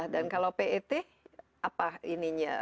dan kalau pet apa ininya